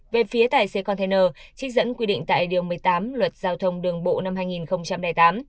về phía tài xế container trích dẫn quy định tại điều một mươi tám luật giao thông đường bộ năm hai nghìn tám